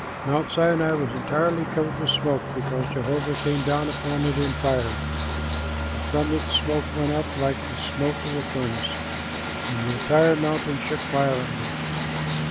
Mount Sinai was entirely covered with smoke, because Jehovah came down upon it in fire. And from it smoke went up like the smoke of a furnace, and the entire mountain shook violently.